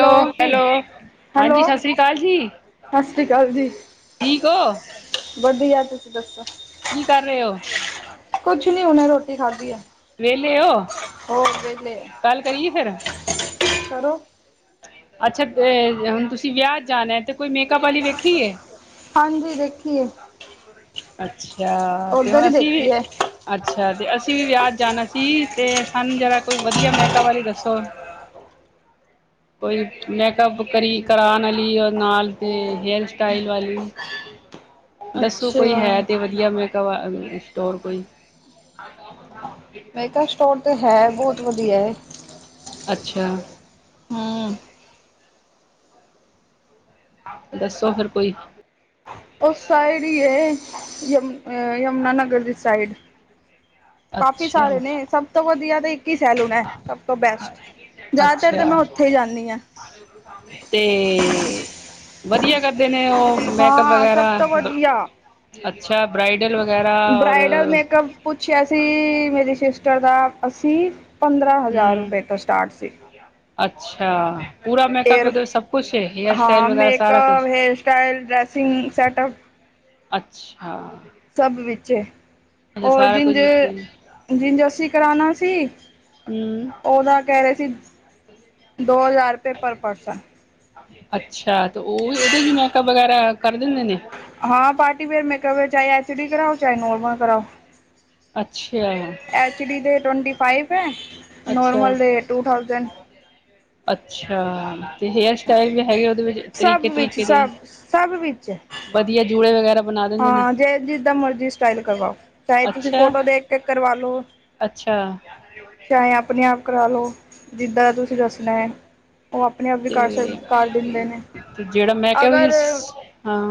Hello -hello. ਹਾਂਜੀ, hello ਸਤਿ ਸ੍ਰੀ ਅਕਾਲ ਜੀ, ਸਤਿ ਸ਼੍ਰੀ ਅਕਾਲ ਜੀ ਠੀਕ ਹੋ? ਵਧੀਆ, ਤੁਸੀਂ ਦੱਸੋ ਕੀ ਕਰ ਰਹੇ ਹੋ ਕੁਛ ਨੀ, ਹੁਣੇ ਰੋਟੀ ਖਾਧੀ ਹੈ। ਵਿਹਲੇ ਹੋ? ਹੋਰ ਵਿਹਲੇ ਗੱਲ ਹਾਂ, ਕਰੀਏ ਫਿਰ ਕਰੋ ਅੱਛਾ ਅ, ਹੁਣ ਤੁਸੀਂ ਵਿਆਹ ਜਾਣਾ ਤੇ ਕੋਈ, ਮੇਕਅਪ ਵਾਲੀ ਵੇਖੀ ਹੈ? ਹਾਂਜੀ ਦੇਖੀਏ ਅੱਛਾ, ਤੇ ਉੱਧਰ ਹੁਣ ਹੀ ਅਸੀ ਦੇਖੀ ਹੈ ਅੱਛਾ ਤੇ, ਅਸੀਂ ਵੀ ਵਿਆਹ ਜਾਣਾ ਸੀ, ਤੇ ਸਾਨੂੰ ਜਰਾ ਕੋਈ ਵਧੀਆ ਮੇਕਅੱਪ ਵਾਲੀ ਦੱਸੋ। ਕੋਈ ਮੇਕਅਪ ਕਰੀ -ਕਰਾਉਣ ਵਾਲੀ, ਨਾਲ ਤੇ ਹੇਅਰ ਸਟਾਈਲ ਵਾਲੀ। [inaudible] ਦੱਸੋ, ਅੱਛਾ ਕੋਈ ਹੈ ਤੇ ਵਧੀਆ ਮੇਕਅੱਪ ਵਾ, ਸਟੋਰ ਕੋਈ? [unintelligible] ਮੇਕਅੱਪ ਸਟੋਰ ਤਾਂ ਹੈ, ਬਹੁਤ ਵਧੀਆ। ਅੱਛਾ। ਹਾਂ। ਦੱਸੋ ਫੇਰ ਕੋਈ ਉਸ ਸਾਈਡ ਹੀ ਹੈ ਯਮੁ ਯਮੁਨਾਨਗਰ ਦੀ ਸਾਈਡ। ਕਾਫੀ ਸਾਰੇ ਅੱਛਾ ਨੇ ਸਭ ਤੋਂ ਵਧੀਆ ਤਾਂ ਇੱਕ ਸੈਲੂਨ ਹੈ ਸਭ ਤੋਂ ਬੈਸਟ ਜ਼ਿਆਦਾਤਰ ਤਾਂ ਅੱਛਾ ਮੈਂ ਉੱਥੇ ਹੀ ਜਾਂਦੀ ਹਾਂ। ਤੇ ਵਧੀਆ ਕਰਦੇ ਨੇ ਉਹ ਮੇਕਅਪ ਹਾਂ ਵਗੈਰਾ। ਸਭ ਤੋਂ ਵਧੀਆ ਅੱਛਾ ਬਰਾਾਈਡਲ ਵਗੈਰਾ ਔਰ। ਬ੍ਰਾਈਡਲ ਮੇਕਅਪ ਪੁੱਛਿਆ ਸੀ ਮੇਰੀ ਸਿਸਟਰ ਦਾ ਅਸੀਂ ਪੰਦਰਾਂ ਹਜ਼ਾਰ ਹਮ ਰੁਪਏ ਤੋਂ ਸਟਾਰਟ ਸੀ। ਅੱਛਾ। ਪੂਰਾ ਏਅਰ ਮੇਕਅਪ ਸਭ ਕੁਛ ਹੈ ਹੇਅਰ ਹਾਂ ਸਟਾਈਲ ਵਗੈਰਾ ਸਾਰਾ ਮੇਕਅਪ ਕੁਛ। ਹੇਅਰ ਸਟਾਈਲ ਡਰੈਸਿੰਗ ਸੈਟਅਪ ਅੱਛਾ। ਸਭ ਵਿੱਚ ਅੱਛਾ ਰ ਸਾਰਾ ਕੁਝ ਜਿੰਝ ਵਿੱਚ ਹੀ ਜਿੰਜ ਅਸੀਂ ਕਰਾਉਣਾ ਸੀ। ਹਮ। ਉਹਦਾ ਕਹਿ ਰਹੇ ਸੀ ਦੋ ਹਜ਼ਾਰ ਰੁਪਏ ਪਰ ਪਰਸਨ। ਅੱਛਾ ਤੇ ਉਹ ਵੀ ਉਹਦੇ ਵੀ ਮੇਕਅਪ ਵਗੈਰਾ ਕਰ ਦਿੰਦੇ ਨੇ। ਹਾਂ ਪਾਰਟੀ ਵੇਅਰ ਮੇਕ ਚਾਹੇ ਐਚ ਡੀ ਕਰਾਓ ਚਾਹੇ ਨੋਰਮਲ ਕਰਾਓ। ਅੱਛਾ। ਐਚ ਡੀ ਦੇ ਟਵੰਟੀ ਫਾਈਵ ਹੈ ਅੱਛਾ ਨੋਰਮਲ ਦੇ ਟੂ ਥਾਊਸੈਂਡ। ਅੱਛਾ। ਤੇ ਹੇਅਰ ਸਟਾਈਲ ਵੀ ਹੈਗੇ ਉਹਦੇ ਵਿੱਚ ਸਭ ਤਰੀਕੇ ਵਿੱਚ ਤਰੀਕੇ ਦੇ ਸਭ ਸਭ ਵਿੱਚ ਵਧੀਆ ਜੂੜੇ ਵਗੈਰਾ। ਬਣਾ ਦਿੰਦੇ ਨੇ ਹਾਂ ਜੇ, ਜਿਦਾਂ ਮਰਜ਼ੀ ਸਟਾਈਲ ਕਰਵਾਓ, ਚਾਹੇ ਤੁਸੀਂ ਅੱਛਾ ਫੋਟੋ ਦੇਖ ਕੇ ਕਰਵਾ ਲੋ। ਅੱਛਾ ਚਾਹੇਂ ਆਪਣੇ ਆਪ ਕਰਾ ਲੋ, ਜਿੱਦਾਂ ਤੁਸੀਂ ਤੁਸੀ ਦੱਸਨੈ, ਔਹ ਆਪਣੇ ਆਪ ਵੀ ਤੇ ਕਰ ਸਕ ਦਿੰਦੇ ਨੇ ਜਿਹੜਾ ਮੈਂ ਕਿਹਾ ਵੀ, ਅਗਰ ਸੀਸ ਹਾਂ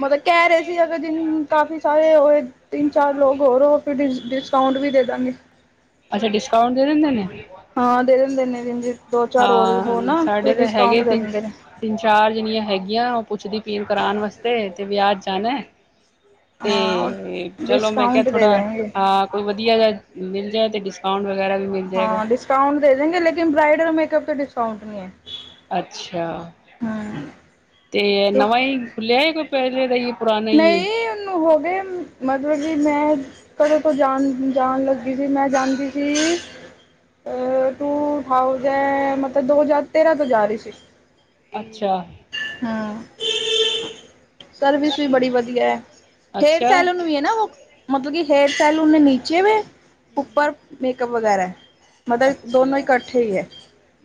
ਮਤਲਬ ਕਹਿ ਰਹੇ ਸੀ, ਅਗਰ ਜਿੰਨ, ਕਾਫੀ ਸਾਰੇ ਹੋਏ ਤਿੰਨ-ਚਾਰ ਲੋਕ ਹੋਰ ਹੋ ਡਿਸ, ਡਿਸਕਾਉਂਟ ਵੀ ਦੇਦਾਂਗੇ‌। ਅੱਛਾ ਡਿਸਕਾਊਂਟ ਦੇ ਦਿੰਦੇ ਨੇ। ਹਾਂ ਦੇ ਦਿੰਦੇ ਇਨੇ ਦਿਨ ਦੋ ਚਾਰ ਹੋਰ ਹੋ ਹਾਂ ਨਾ ਸਾਡੇ ਫਿਰ ਤਾਂ ਹੈਗੇ ਡਿਸਕਾਊਂਟ ਦੇ ਤਿੰਨ ਦਿੰਦੇ ਨੇ। ਤਿੰਨ ਚਾਰ ਜਣੀਆਂ ਹੈਗੀਆਂ ਉਹ ਪੁੱਛਦੀ ਪੀਣ ਕਰਾਉਣ ਵਾਸਤੇ ਤੇ ਵਿਆਚ ਜਾਣਾ। ਹਾਂ ਤੇ ਚਲੋ ਮੈਂ ਕਿਹਾ ਡਿਸਕਾਊਂਟ ਦੇ ਦੇਣਗੇ ਥੋੜਾ ਕੋਈ ਵਧੀਆ ਮਿਲ ਜਾ ਤੇ ਡਿਸਕਾਊਂਟ ਵਗੈਰਾ ਵੀ ਮਿਲ ਜਾਏਗਾ ਹਾਂ ਡਿਸਕਾਊਂਟ ਦੇ ਦਿੰਗੇ ਲੇਕਨ ਬਰਾਾਈਡਲ ਮੇਕਅਪ ਤੇ ਡਿਸਕਾਊਂਟ ਨਹੀਂ ਹੈ। ਅੱਛਾ ਹਮ ਤੇ ਨਵਾਂ ਹੀ ਖੁੱਲਿਆ ਹੈ ਕੋਈ ਪਹਿਲੇ ਦਾ ਹੀ। ਪੁਰਾਣਾ ਹੀ ਨਹੀਂ ਉਹਨੂੰ ਹੋ ਗਏ। ਮਤਲਬ ਕਿ ਮੈਂ ਘਰੋਂ ਤੋਂ ਜਾਣ ਜਾਣ ਲੱਗੀ ਸੀ ਮੈਂ ਜਾਂਦੀ ਸੀ। ਐ ਟੂ ਥਾਊਜੈਂਡ, ਮਤਲਬ ਦੋ ਹਜ਼ਾਰ ਤੇਰਾਂ ਤੋਂ ਜਾ ਰਹੀ ਸੀ। ਅੱਛਾ- ਹੰ ਸਰਵਿਸ ਵੀ ਬੜ੍ਹੀ ਅੱਛਾ ਵਧੀ ਐ, ਡੇਡ ਅੱਛਾ ਸਾਲ ਔਨੂ ਵੀ ਐ ਨ ਹੋਗ ਮਤਲਬ ਕਿ ਹੇਅਰ ਸਟਾਈਲ ਉਨੇ ਨੀਚੇ ਵੇ, ਉੱਪਰ ਮੇਕਪ ਵਗੈਰੈ। ਮਤਲਬ ਦੋਨੋਂ ਅੱਛਾ ਇਕੱਠੇ ਹੀ ਐ।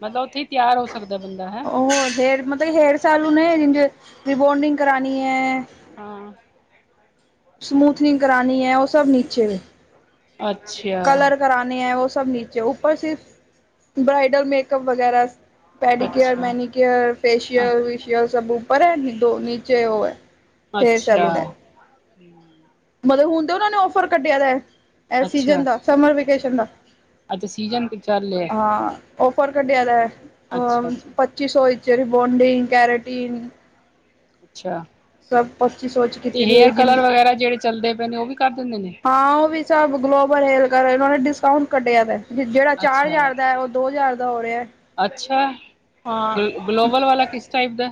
ਮਤਲਬ ਉੱਥੇ ਤਿਆਰ ਹੋ ਸਕਦਾ ਬੰਦਾ ਹੈ ਉਹ ਹੇਅਰ ਮਤਲਬ ਹੇਅਰ ਸੈਲੂਨੇ ਜੇ ਰੀਬੋਡਿੰਗ ਕਰਾਨੀ ਐ। ਹਾਂ। ਸਮੂਥਨਿੰਗ ਕਰਾਨੀ ਉਹ ਸਭ ਨੀਚੇ ਵੇ, ਅੱਛਾ ਕਲਰ ਕਰਾਣੇ ਐ ਉਹ ਸਭ ਨੀ ਉੱਪਰ ਸਿਰਫ ਬਰਾਈਡਲ ਮੇਕਪ ਵਗੈਰਾ। ਪੈਡੀਕੇਅਰ ਅੱਛਾ ਮੈਨੀਕੇਅਰ ਫੇਸ਼ੀਅਲ ਵੇਸ਼ੀਅਲ ਸਭ ਉੱਪਰ ਹੈ, ਦੋ ਨੀਚੇ ਉਹ ਐ ਅੱਛਾ ਮਤਲਬ ਹੁਣ ਤੇ ਉਹਨਾਂ ਨੇ ਔਫਰ ਕੱਢਿਆਦਾ ਐ, ਐ ਸੀਜਨ ਅੱਛਾ ਦਾ, ਸਮਰ ਵੇਕੇਸ਼ਨ ਦਾ। ਅੱਛਾ ਸੀਜਨ ਵੀ ਚੱਲ ਰਿਆ ਐ। ਹਾਂ ਔਫਰ ਕਟਿਆਦਾ ਐ ਅੱਛਾ ਅੱਛਾ ਪੱਚੀ ਸੌ ਚ ਰੀਬੋਂਦਿੰਗ ਕੈਰੇਟੀਨ। ਅੱਛਾ। ਸਭ ਪੱਚੀ ਸੋ'ਚ ਤੇ, ਹੇਅਰ ਕਲਰ ਵਗੈਰਾ ਜਿਹੜੇ ਚੱਲਦੇ ਪਏ ਨੇ ਉਹ ਵੀ ਕਰ ਦਿੰਦੇ ਨੇ? ਹਾਂ ਉਹ ਵੀ ਸਭ ਗਲੋਬਲ ਹੇਅਰ ਕਲਰ ਇਹਨਾਂ ਨੇ ਡਿਸਕਾਊਂਟ ਕਢਿਆ ਜਿਹੜਾ ਅੱਛਾ ਚਾਰ-ਹਜ਼ਾਰ ਦਾ ਉਹ ਦੋ ਹਜ਼ਾਰ ਦਾ ਹੋ ਰਿਹਾ, ਅੱਛਾ ਹਾਂ। ਗਲ ਗਲੋਬਲ ਵਾਲਾ ਕਿਸ ਟਾਈਪ ਦਾ?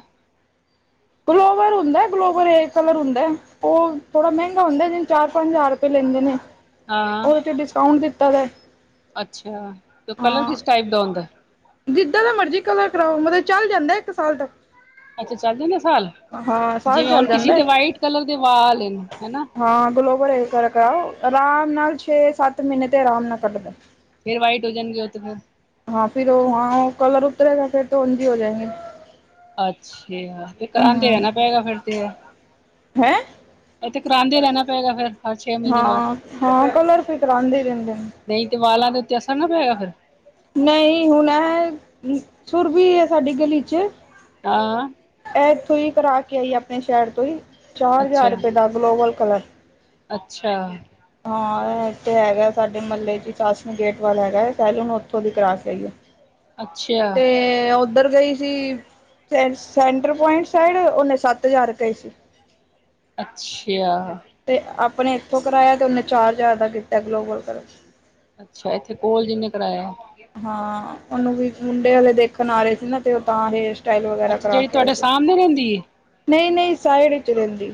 ਗਲੋਬਰ ਹੁੰਦਾ ਗਲੋਬਰ ਏ ਕਲਰ ਹੁੰਦਾ। ਉਹ ਥੋੜਾ ਮਹਿੰਗਾ ਹੁੰਦਾ ਜਿਹਨੂੰ ਚਾਰ ਪੰਜ ਹਜ਼ਾਰ ਰੁਪਏ ਲੈਂਦੇ ਨੇ। ਹਾਂ ਉਹਦੇ ਤੇ ਡਿਸਕਾਉਂਟ ਦਿੱਤਾ ਦੈ‌। ਅੱਛਾ, ਤੇ ਕਲਰ ਕਿਸ ਟਾਈਪ ਦਾ ਹੋਂਦਾ? ਜਿੱਦਾ ਦਾ ਮਰਜੀ ਕਲਰ ਕਰਾਓ, ਮਤਲਬ ਚੱਲ ਜਾਂਦਾ ਇੱਕ ਸਾਲ ਤੱਕ। ਅੱਛਾ ਚੱਲ ਜਾਂਦੇ ਸਾਲ? ਹਾਂ ਸਾਲ ਜਿਵੇਂ ਚੱਲ ਹੁਣ ਕਿਸੇ ਜਾਂਦਾ ਦੇ ਵਾਈਟ ਕਲਰ ਦੇ ਵਾਲ ਏਨ, ਹੈਨਾ। ਹਾਂ, ਗਲੋਬਲ ਏਰਕਰਕਾ, ਆਰਾਮ ਨਾਲ ਛੇ-ਸੱਤ ਮਹੀਨੇ ਤੇ ਆਰਾਮ ਨਾਲ ਕੱਢਦਾ। ਫੇਰ ਵਾਈਟ ਹੋ ਜਾਂਦੀ ਓ ਤਾ ਫਿਰ। ਹਾਂ, ਫਿਰ ਓ ਹਾਂ, ਉਹ ਕਲਰ ਉਤਰੇਗਾ ਫਿਰ ਤੇ ਓਂਝ ਹੀ ਹੋ ਜਾਂਏਗੇ। ਅੱਛਯਾ, ਫੇ ਕਰਾਂਦੇ ਹਮ ਰਹਿਣਾ ਪਏਗਾ ਫਿਰ ਤੇ ਹੈਂ ਇੱਥੇ ਕਰਾਉਦੇ ਰਹਿਣਾ ਪਏਗਾ ਫਿਰ। ਹਰ ਛੇ ਮਹੀਨੇ ਬਾਅਦ ਹਾਂ ਹਾਂ ਕਲਰ ਫਿਰ ਕਰਾਂਦੇ ਰਹਿੰਦੇ ਨੇ। ਨਹੀਂ ਤੇ ਵਾਲਾਂ ਦੇ ਉੱਤੇ ਅਸਰ ਨਾ ਪੈਗਾ ਫ਼ਿਰ। ਨਹੀਂ ਹੁਣ ਐ ਸੁਰਬੀ ਹੈ ਸਾਡੀ ਗਲੀ ਚ ਹਾਂ। ਇਹ ਇੱਥੋਂ ਹੀ ਕਰਾ ਕੇ ਆਈ ਆਪਣੇ ਸ਼ਹਿਰ ਤੋਂ ਹੀ ਚਾਰ ਹਜ਼ਾਰ ਅੱਛਾ ਰੁਪਏ ਦਾ ਗਲੋਬਲ ਕਲਰ। ਅੱਛਾ। ਹਾਂ ਇਥੇ ਹੈਗਾ ਸਾਡੇ ਮਹੱਲੇ ਚ ਸ਼ਾਸਨੀ ਗੇਟ ਵੱਲ ਹੈਗਾ ਸੈਲੂਨ ਉੱਥੋਂ ਦੀ ਕਰਾ ਕੇ ਆਈ ਹਾਂ। ਅੱਛਾ ਤੇ, ਉਹ ਉੱਧਰ ਗਈ ਸੀ, ਫਿਰ ਸੈਂਟਰ ਪੁਆਇੰਟ ਸਾਈਡ ਓਹਨੇ ਸੱਤ-ਹਜ਼ਾਰ ਕਏ ਸੀ। ਅੱਛਿਆ ਤੇ, ਆਪਣੇ ਇੱਥੋਂ ਕਰਾਇਆ ਤੇ ਉਹਨੇ ਚਾਰ- ਹਜਾਰ ਦਾ ਕੀਤਾ ਗਲੋਬਲ ਕੋਲ ਅੱਛਾ, ਇੱਥੇ ਕੋਲ ਜਿੰਨੇ ਕਰਾਇਆ? ਹਾਂ, ਉਹਨੂੰ ਵੀ ਮੁੰਡੇ ਵਾਲੇ ਦੇਖਣ ਆ ਰਹੇ ਸੀ ਨਾ, ਤੇ ਉਹ ਤਾਂ ਹੇ ਸ਼ ਸਟਾਈਲ ਵਗੈਰਾ ਅੱਛਾ ਜਿਹੜੀ ਕਰਾਕੇ ਆਏ ਤੁਹਾਡੇ ਸੀ, ਸਾਹਮਣੇ ਰਹਿੰਦੀ ਏ ਨਹੀਂ-ਨਹੀਂ ਸਾਈਡ'ਚ ਰਹਿੰਦੀ।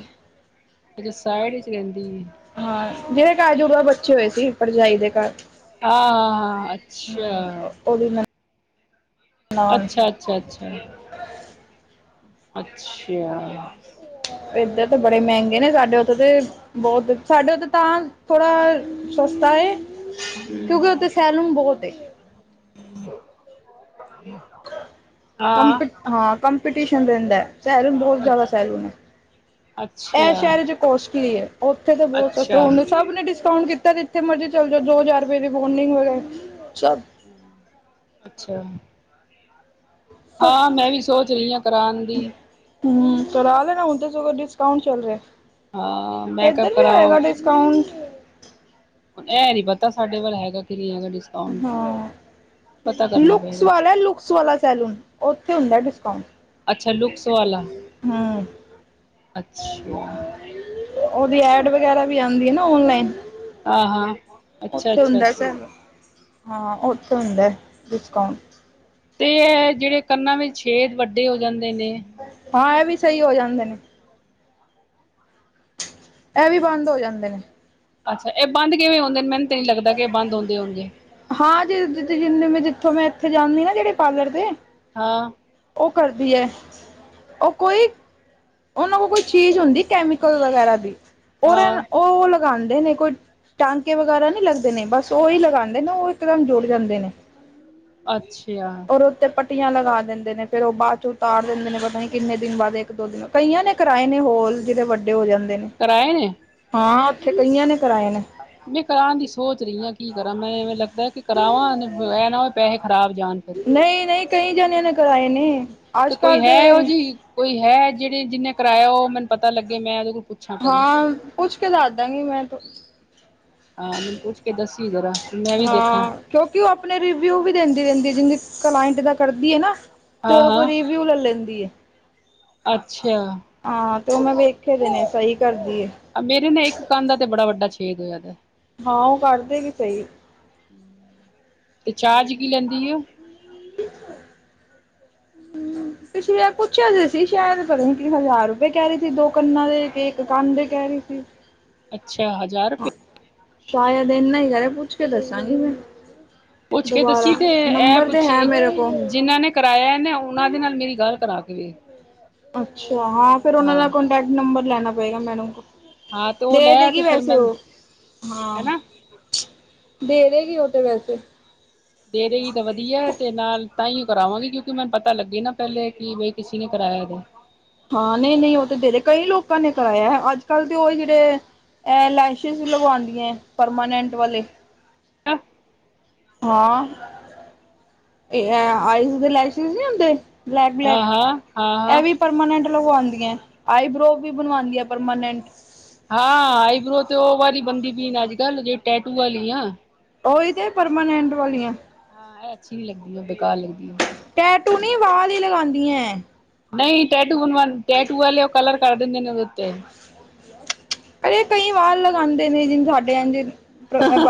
ਜਦ ਸਾਈਡ'ਚ ਰੇਂਦੀ। ਹਾਂ, ਜਿਹਦੇ ਘਰ ਜੁੜਵਾ ਬੱਚੇ ਹੋਏ ਸੀ, ਭਰਜਾਈ ਦੇ ਘਰ। ਆਹਾ ਹਾਂ ਹਮ ਅੱਛਾ। ਉਹਦੀ ਨਨਾਣ ਅੱਛਾ ਅੱਛਾ ਅੱਛਾ ਅੱਛਾ। ਇੱਧਰ ਤਾਂ ਬੜੇ ਮਹਿੰਗੇ ਨੇ ਸਾਡੇ ੳੱਥੇ ਤੇ ਬਹੁਤ ਸਾਡੇ ੳੱਥੇ ਤਾਂ ਥੋੜਾ। ਸਸਤਾ ਏ। ਕਿਉਂਕਿ ਉੱਥੇ ਸੈਲੂਨ ਬਹੁਤ ਏ ਹਮ। ਕੰਪੀਟੀਸ਼ਨ ਹਾਂ ਕੰਪੀਟੀਸ਼ਨ ਰਹਿੰਦਾ ਸ਼ਾਹਿਰ ਬਹੁਤ ਜ਼ਿਆਦਾ ਸੈਲੂਨ ਨੇ ਇਹ ਅੱਛਾ ਸ਼ਹਿਰ ਚ ਕੋਸਟਲੀ ਹੈ। ਉੱਥੇ ਤਾਂ ਬਹੁਤ ਸੇ ਅੱਛਾ ਉੱਥੇ ਸਭ ਨੇ ਡਿਸਕਾਊਂਟ ਕੀਤਾ। ਜਿੱਥੇ ਮਰਜ਼ੀ ਚੱਲ ਜਾਓ ਦੋ ਹਜ਼ਾਰ ਰੁਪਏ ਦੀ ਬੋਡਿੰਗ ਅੱਛਾ। ਸਭ ਹਾਂ ਮੈਂ ਵੀ ਸੋਚ ਰਹੀ ਹਾਂ ਕਰਾਉਣ ਦੀ। ਹਮ ਕਰਾ ਲੈਣਾ ਹੁਣ ਤਾਂ ਡਿਸਕਾਊਂਟ ਚੱਲ ਹਾਂ ਰਿਹਾ। ਮੈਂ ਕਬ ਇੱਧਰ ਵੀ ਕਰਾਓ ਹੋਏਗਾ। ਕਾਂਊਟ ਹੁਨ ਐ ਨੀ ਪਤਾ, ਸਾਡੇ ਵੱਲ ਹੈਗਾ ਕਿ ਨੀ ਹੈ ਡਿਸਕਾਉਂਟ। ਹਾਂ, ਲੁਕਸ ਪਏਗਾ ਵਾਲਾ, ਲੁਕਸ ਵਾਲਾ ਸੈਲੂਨ। ਓਥੇ ਹੋਂਦਾ ਡਿਸਕਾਊਂਟ। ਅੱਛਾ, ਲੁਕਸ ਵਾਲਾ। ਹੂੰ। ਅੱਛਾ। ਓਦੀ ਐਡ ਵਗੈਰਾ ਵੀ ਆਂਦੀ ਐ ਨਾ ਓਨਲਾਈਨ। ਆ ਹਾਂ, ਅੱਛਾ-ਅੱਛਾ ਅੱਛਾ। ਹਾਂ ਓਥੇ ਹੁੰਦੈ ਡਿਸਕਾਊਂਟ। ਤੇ ਐ, ਜੇੜੇ ਕੰਨਾਂ ਵਿੱਚ ਛੇਦ ਵੱਡੇ ਹੋ ਜਾਂਦੇ ਨੇ ਹਾਂ, ਐ ਵੀ ਸਈ ਹੋ ਜਾਂਦੇ ਨੇ। ਐ ਵੀ ਬਾੰਦ ਹੋ ਜਾਂਦੇ ਨੇ। ਅੱਛਾ, ਏ ਬੰਦ ਕਿਵੇਂ ਹੋਂਦੇ ਨੇ? ਮੈਨ ਤੇ ਨੀ ਲੱਗਦਾ ਕੇ ਬੰਦ ਹੋਂਦੇ ਹੋਨਗੇ। ਹਾਂਜੀ, ਜੀ ਜਿੱਥੋਂ ਮੈਂ ਏਥੇ ਜਾਂਦੀ ਨਾ ਜੇੜੇ ਪਾਰਲਰ ਤੇ ਹਾਂ। ਓ ਕਰਦੀ ਐ ਓ ਕੋਈ ਓਨਾਂ ਕੋਲ ਕੋਈ ਚੀਜ ਹੋਂਦੀ, ਕੈਮੀਕਲ ਵਗੈਰਾ ਦੀ ਓਰ ਨ ਹਾਂ ਓ ਲਗਾਂਦੇ ਨੇ ਕੋਈ ਟਾਂਕੇ ਵਗੈਰਾ ਨੀ ਲੱਗਦੇ ਨੇ, ਬਸ ਓਈ ਲਗਾਂਦੇ ਨੇ ਓ ਇਕਦਮ ਜੁੜ ਜਾਂਦੇ ਨੇ। ਅੱਛਾ। ਔਰ ਓਤੇ ਪੱਟੀਆਂ ਲਗਾ ਦੇਂਦੇ ਨੇ, ਫੇਰ ਓ ਬਾਚੋ ਉਤਾਰ ਦੇਂਦੇ ਨੇ ਪਤਾ ਨੀ ਕੀਨੇ ਦਿਨ ਬਾਦ ਇੱਕ-ਦੋ ਦਿਨ ਕਈਆਂ ਨੇ ਕਰਾਏ ਨੇ ਹੋਲ, ਜੇਦੇ ਵੱਡੇ ਹੋ ਜਾਂਦੇ ਨੇ। ਕਰਾਏ ਨੇ? ਹਾਂ, ਓਥੇ ਕਈਆਂ ਨੇ ਕਰਾਏ ਨੇ। ਮੈਂ ਕਰਾਨ ਦੀ ਸੋਚ ਰਈ ਆਂ, ਕੀ ਕਰਾਂ ਮੈਂ ਏਵੇ ਲੱਗਦਾ ਕੇ ਕਰਾਵਾਂ ਏ ਏਨਾ ਹੋਵੇ ਪੈਸੇ ਖਰਾਬ ਜਾਨ। ਨਈ-ਨਈ, ਕਈ ਜਨੇਆਂ ਨੇ ਕਰਾਏ ਨੇ। ਤੇ ਅੱਜ ਕੋਈ ਕੱਲ ਹੈ ਓ ਜੀ, ਕੋਈ ਹੈ ਜੇੜੇ ਜਿੰਨੇ ਕਰਾਏਆ ਓ ਮੈਨੂੰ ਪਤਾ ਲੱਗੇ ਮੈਂ ਓਦੇ ਕੋਲ ਪੁੱਛਾਂ ਪਹਿਲੇ ਹਾਂ, ਪੁੱਛ ਕੇ ਦਸਦਾਂਗੀ ਮੈਂ ਤੋ। ਹਾਂ, ਮੈਨੂੰ ਪੁੱਛ ਕੇ ਦੱਸੀ ਜ਼ਰਾ ਮੈਂ ਵੀ ਦੇਖਾਂ। ਕੇਓਕਿ ਓ ਆਪਨੇ ਰਿਵਿਊ ਵੀ ਦਿੰਦੀ ਰੈਂਦੀ ਏ ਜਿੰਦੀ, ਕਲਾਇੰਟ ਦਾ ਕਰਦੀ ਐ ਨਾ ਤੇ ਹਾਂ ਓ ਕੋਲ ਹਾਂ ਰਿਵੀ ਵਿਊ ਲੈ ਲੈਂਦੀ ਏ। ਅੱਛਾ। ਹਾਂ, ਤੇ ਓਨੇ ਵੇਖੇ ਦੇ ਨੇ ਸਈ ਕਰਦੀ ਏ। ਮੇਰੇ ਨਾ ਏਕ ਕੰਨ ਦਾ, ਤੇ ਬੜਾ ਵੱਡਾ ਛੇਦ ਹੋਏਆ ਦਾਏ ਹਾਂ ਓ ਕਾਰਦੇ ਵੀ ਸਈ। ਤੇ ਚਾਰਜ ਕੀ ਲੈਂਦੀ ਏ ਓ? [unintelligible] ਪਿਛਲੀ ਵਾਰ ਪੁੱਛੇਆ ਸੀ ਅਸੀ ਸ਼ਾਏਦ ਪਤਾ ਨੀ ਹਜਾਰ ਰੁਪਏ ਕੈ ਰਈ ਸੀ ਦੋ ਕੰਨਾਂ ਦੇ ਇੱਕ ਕੰਨ ਦੇ ਕੈਰੀ ਸੀ। ਅੱਛਾ, ਹਜਾਰ ਸ਼ਾਏਦ ਏਨਾ ਈ ਕੈਰੇ ਆ, ਪੁੱਛ ਕੇ ਦੱਸਾਂਗੀ ਮੈਂ। ਪੁੱਛ ਕੇ ਦੁਬਾਰਾ ਦੱਸੀ ਤੇ ਐ ਨੰਬਰ ਤੇ ਹੈ ਪੁੱਛੀ, ਮੇਰੇ ਕੋਲ ਜਿਨਾਂ ਨੇ ਕਰਾਏਆ ਨਾ, ਓਨਾਂ ਦੇ ਨਾਲ ਮੇਰੀ ਗਾਲ ਕਰਾ ਕੇ ਵੇਖ। ਅੱਛਾ ਹਾਂ, ਫੇਰ ਓਨਾਂ ਦਾ ਹਾਂ ਕੋਂਟੈਕਟ ਨੰਬਰ ਲੈਨਾ ਪਏਗਾ ਮੈੱਨੂ ਕੋ ਹਾਂ ਤੇ ਉਹ ਦੇ ਲੈ ਦੇਗੀ ਤੇ ਫਿਰ ਵੈਸੇ ਮੈਂ ਓ, ਹਾਂ ਹਨਾ ਦੇ ਦੇਗੀ ਓ ਤੇ ਵੈਸੇ। ਦੇ ਦੇ ਗੀ ਤੇ ਵਦੀ ਏ, ਤੇ ਨਾਲ ਤਾਈ ਓ ਕਰਾਵਾਂਗੀ ਕਿਊ ਕੀ ਮੈਂਨ ਪਤਾ ਲੱਗੇ ਨਾ ਪੈਲੇ ਕਿ ਵਈ ਕਿਸੇ ਨੇ ਕਰਾਏਆ ਦਾ ਐ। ਹਾਂ, ਨਈ-ਨਈ ਓ ਤੇ ਦੇਰੇ ਕਈ ਲੋਕਾਂ ਨੇ ਕਰਾਏਆ ਅੱਜ-ਕੱਲ ਤੇ ਓ ਜੇੜੇ ਐਲੈਸੇ਼ਸ਼ ਲਵਾਓਂਦੀਐਂ ਪਰਮਾਨੈਂਟ ਵਾਲੇ। [unintelligible] ਹਾਂ, ਏ ਅ ਆਈਜ਼ ਦੇ ਲਾਈਸੇ਼ਸ਼ ਨੀ ਹੁੰਦੇ ਬਲੈਕ ਬਲੈਕ ਇਹ ਵੀ ਪਰਮਾਨੈਂਟ ਲੱਗਵਾਉਂਦੀ ਐ ਆਈਬ੍ਰੋ ਵੀ ਬਣਵਾਉਂਦੀਆਂ ਪਰਮਾਨੈਂਟ। ਹਾਂ ਆਈਬ੍ਰੋ ਤੇ ਉਹ ਵਾਲੀ ਬਣਦੀ ਪ ਅੱਜ ਕੱਲ੍ਹ ਜੇ ਟੈਟੂ ਵਾਲੀ ਆ। ਉਹੀ ਤੇ ਪਰਮਾਨੈਂਟ ਵਾਲੀਆਂ। ਹਾਂ ਇਹ ਅੱਛੀ ਨੀ ਲੱਗਦੀ ਐ ਬੇਕਾਰ ਲੱਗਦੀ ਐ। ਟੈਟੂ ਨੀ ਵਾਲ ਹੀ ਲਗਾਆਂਦੀ ਐ। ਨਹੀਂ ਟੈ ਟੂ ਟੈਟੂ ਵਾਲੇ ਉਹ ਕਲਰ ਕਰ ਦਿੰਦੇ ਨੇ ਦੇ ਓਦੇ ਉੱਤੇ। ਅਰੇ ਕਈ ਵਾਲ ਲਗਾਆਂਦੇ ਨੇ ਜਿਹਨ ਸਾਡੇ ਏਥੇ।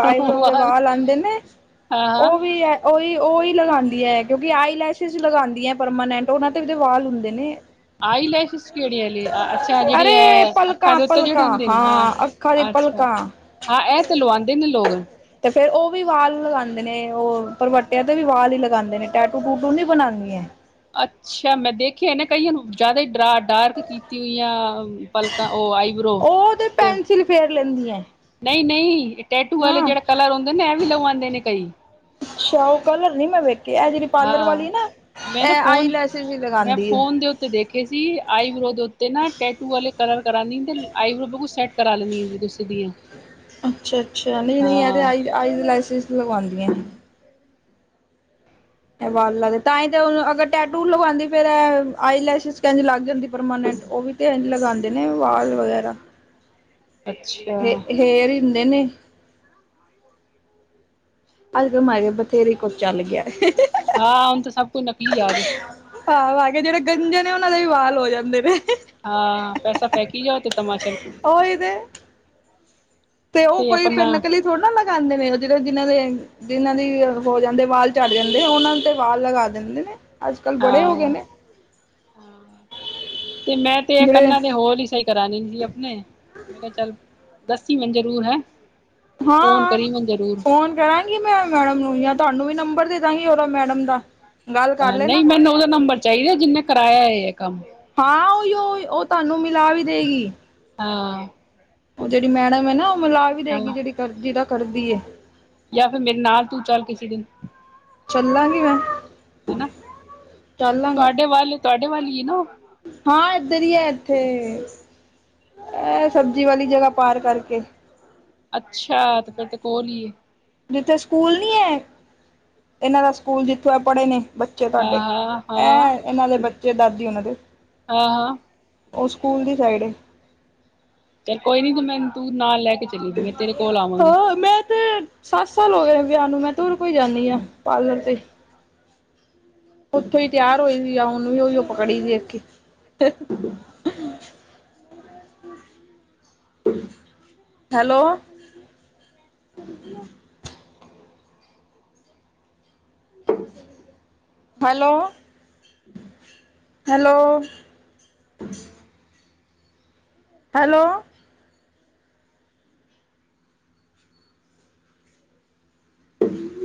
ਆਈਬ੍ਰੋ ਦੇ ਵਾਹਲ ਆਂਦੇ ਨੇ ਹਾਂ ਹਾਂ ਉਹ ਵੀ ਉਓਹੀ ਉਹੀ ਲਗਾਉਂਦੀ ਹੈ ਕਿਉਂਕਿ ਆਈਲੈਸ਼ਿਸ ਲਗਾਉਂਦੀ ਹੈ ਪਰਮਾਨੈਂਟ ਉਹਨਾਂ ਦੇ ਵੀ ਵਾਲ ਹੁੰਦੇ ਨੇ। ਆਈ ਲੈਸ਼ਿਸ ਕੇੜ੍ਹੀ ਆਲੀ। ਅੱਛਾ ਜਿਹੜੀ ਅਰੇ ਇਹ ਅੱਖਾਂ ਪਲਕਾਂ ਦੇ ਉੱਤੇ ਜਿਹੜੇ ਪਲਕਾਂ ਰਹਿੰਦੀ ਹਾਂ ਅੱਖਾਂ ਦੇ ਅੱਛਾ। ਪਲਕਾਂ ਹਾਂ ਇਹ ਤੇ ਲਵਾਉਂਦੇ ਨੇ ਲੋਕ। ਤੇ ਫਿਰ ਉਹ ਵੀ ਵਾਲ ਲਗਾਉਂਦੇ ਨੇ ਉਹ ਪਰਬੱਟਿਆਂ ਤੇ ਵੀ ਵਾਲ ਹੀ ਲਗਾਉਂਦੇ ਨੇ ਟੈਟੂ ਟੂਟੂ ਨਹੀਂ ਬਣਾਉਂਦੀਆਂ। ਅੱਛਾ ਮੈਂ ਦੇਖਿਆ ਨਾ ਕਈਆਂ ਨੂੰ ਜਿਆਦਾ ਹੀ ਡਾਰਕ ਕੀਤੀ ਹੋਈਆਂ। ਪਲਕਾ ਉਹ ਆਈ। ਉਹ ਤੇ ਪੈਨਸਿਲ ਫੇਰ ਲੈਂਦੀਆਂ ਐ। ਨਹੀਂ ਨਹੀਂ ਟੈਟੂ ਵਾਲੇ ਹਾਂ ਜਿਹੜਾ ਕਲਰ ਹੁੰਦੇ ਨਾ ਇਹ ਵੀ ਲਵਾਉਂਦੇ ਨੇ ਕਈ। ਅੱਛਾ ਉਹ ਕਲਰ ਨੀ ਮੈਂ ਵੇਖਿਆ ਇਹ ਜੇੜ੍ਹੀ ਪਾਲਰ ਹਾਂ ਵਾਲੀ ਨਾ ਮੈਂ ਨਾ ਇਹ ਆਈ ਫੋਨ ਲੈਸ਼ੀਸ ਨਹੀ ਮੈਂ ਲਾਂਦੀ। ਫੋਨ ਦੇ ਉੱਤੇ ਦੇਖੇ ਸੀ ਆਈਬ੍ਰੋ ਦੇ ਉੱਤੇ ਨਾ ਟੈਟੂ ਵਾਲੇ ਕਲਰ ਕਰਾਂ ਦੀ ਤੇ ਆਈਬਰੋ ਬਿਲਕੁਲ ਸੈਟ। ਕਰਾ ਲੈਂਦੀ ਹਾਂ ਗੁੱਸੇ ਦੀਆਂ। ਅੱਛਾ ਅੱਛਾ ਨਹੀਂ ਨਹੀਂ ਇਹ ਤੇ ਆਈ ਲੈਸ਼ੀਸ ਲਗਵਾਉਦੀਆਂ। ਇਹ ਵਾਲਾ ਤੇ ਤਾਹੀ ਤਾਂ ਅਗਰ ਟੈਟੂ ਲਗਵਾਉਦੀ ਫਿਰ ਆਈਲੈਸ਼ੀਸ ਕਿਨ ਲੱਗ ਜਾਂਦੀ ਪਰਮਾਨੈਂਟ ਉਹ ਵੀ। ਇੰਜ ਲਗਾਉਂਦੇ ਨੇ ਵਾਲ ਵਗੈਰਾ। ਅੱਛਾ। ਫੇਰ ਹੀ ਹੁੰਦੇ ਨੇ। ਅੱਜ ਕਲ ਮ ਬਥੇਰੇ ਕੋਲ ਚੱਲ ਗਿਆ। ਹਾਂ ਹੁਣ ਤਾਂ ਸਭ ਕੁਝ ਨਕਲੀ ਆ ਗਏ। ਹਾ ਵਾਕੇ ਜਿਹੜੇ ਗੰਜੇ ਨੇ ਉਹਨਾਂ ਦੇ ਵੀ ਵਾਲ ਹੋ ਜਾਂਦੇ ਨੇ। ਹਾਂ ਪੈਸਾ ਫੇਕੀ ਜਾੳ ਤੇ ਤਮਾਸ਼ਾ ੳਹੀ ਤੇ। ਤੇ ਉਹ ਕੋਈ ਫਿਰ ਨਕਲੀ ਥੋੜੀ ਨਾ ਲਗਾਉਂਦੇ ਨੇ ਉਹ ਜਿਹੜੇ ਜਿਹਨਾਂ ਦੇ। ਜਿਨਾਂ ਦੇ ਹੋ ਜਾਂਦੇ ਵਾਲ ਚੜ੍ਹ ਜਾਂਦੇ ਉਹਨਾਂ ਤੇ ਵਾਲ ਲਗਾ ਦਿੰਦੇ ਨੇ। ਅੱਜ ਕੱਲ੍ਹ ਬੜੇ ਹੋ ਗਏ ਹਾਂ ਨੇ ਤੇ ਮੈਂ ਤੇ ਜਿਹੜੇ ਕੰਨਾਂ ਨੇ ਹੋਰ ਹੀ ਸਹੀ। ਕਰਾਂਗੀ ਆਪਣੇ ਮੈਂ ਕਿਹਾ ਚੱਲ ਦੱਸੀ ਮੈਨੂ ਜ਼ਰੂਰ ਹੈ। ਫੋਨ ਹਾਂ ਕਰੀ ਮੈਨੂੰ ਜ਼ਰੂਰ ਫੋਨ ਕਰਾਂਗੀ। ਮੈਂ ਮੈਡਮ ਨੂੰ ਜਾਂ ਤੁਹਾਨੂੰ ਵੀ ਨੰਬਰ ਦੇ ਦਾਂਗੀ ਉਹਦਾ ਮੈਡਮ ਦਾ। ਗੱਲ ਕਰ ਲੈਣਾ ਨਹੀਂ ਮੈਨੂੰ ਉਹਦਾ ਨੰਬਰ ਚਾਹੀਦਾ ਜਿਨੇ ਕਰਾਇਆ ਹੇ ਇਹ ਕੰਮ। ਹਾਂ ਉਹੀ ਉਹ ਤੁਹਾਨੂੰ ਮਿਲਾ ਵੀ ਦੇਗੀ। ਹਾਂ। ਉਹ ਜਿਹੜੀ ਮੈਡਮ ਹੈ ਨਾ ਉਹ ਮਿਲਾ ਵੀ ਦੇਗੀ ਹਾਂ ਜਿਹੜੀ ਕਰਦੀ ਹੇ ਕਰਦੀ। ਜਾਂ ਫਿਰ ਮੇਰੇ ਨਾਲ ਤੂੰ ਚੱਲ ਕਿਸੇ ਦਿਨ। ਚੱਲਾਂਗੀ ਮੈਂ। ਹਨਾ ਚੱਲ ਲਾਂਗੇ ਤੁਹਾਡੇ ਵੱਲ ਤੁਹਾਡੇ ਵੱਲ ਹੀ ਨਾ ਉਹ। ਹਾਂ ਏਧਰ ਹੀ ਹੈ ਇੱਥੇ। ਇਹ ਸਬਜ਼ੀ ਵਾਲੀ ਜਗ੍ਹਾ ਪਾਰ ਕਰਕੇ। ਅੱਛਾ ਤੇ ਫੇਰ ਤੇ ਕੋਲ ਹੀਏ। ਜਿੱਥੇ ਸਕੂਲ ਨੀ ਹੈ ਇਹਨਾਂ ਦਾ ਸਕੂਲ ਜਿੱਥੋਂ ਆ ਪੜ੍ਹੇ ਨੇ। ਬੱਚੇ ਤੁਹਾਡੇ ਹਾਂ ਹਾਂ ਹਾਂ ਐਂ ਇਹਨਾਂ ਦੇ ਬੱਚੇ ਦਾਦੀ ਉਹਨਾਂ ਦੇ। ਆ ਹਾਂ। ਓ ਸੂਕੂਲ ਦੀ ਸਾਈਡ ਐ। ਚੱਲ ਕੋਈ ਨੀ ਤੂ ਮੈਨ ਤੂ ਨਾਲ ਲੈ ਕੇ ਚਲੀ ਮੈਂ ਤੇਰੇ ਕੋਲ ਆਵਾਂਗੀ ਹਾਂ, ਮੈਂ ਤੇ ਸਾੱਤ ਸਾਲ ਹੋ ਗਏ ਨੇ ਵੇਆਹ ਨੂੰ, ਮੈਂ ਤੂਰ ਕੋਈ ਜਾਂਨੀ ਆਂ ਪਾਰਲਰ ਤੇ। ਉਥੋਂ ਈ ਤਿਆਰ ਹੋਈ ਸੀ, ਯਾ ਓਨੂੰ ਵੀ ਓਈਓ ਪਕੜੀ ਸੀ ਏਕ ਈ। ਹੈਲੋ। [inaudible] Hello, hello. ਹੈਲੋ। [inaudible]